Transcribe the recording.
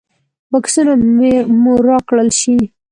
بکسونه مو راکړل شي.